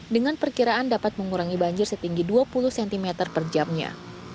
dengan perkiraan dapat mengurangi banjir setinggi dua puluh cm per jamnya